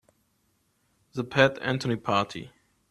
The Pat Anthony Party.